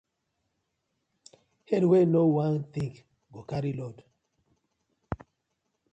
Head wey no wan think, go carry load: